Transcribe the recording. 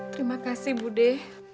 terima kasih bu de